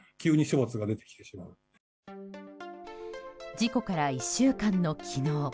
事故から１週間の昨日。